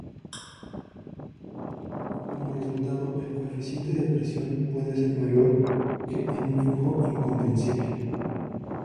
Como resultado, el coeficiente de presión puede ser mayor que en un flujo incompresible.